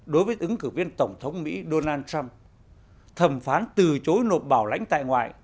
đối với ứng cử viên tổng thống mỹ donald trump thẩm phán từ chối nộp bảo lãnh tại ngoại